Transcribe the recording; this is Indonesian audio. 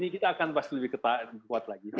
kita akan pasti lebih kuat lagi